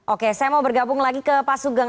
oke saya mau bergabung lagi ke pak sugeng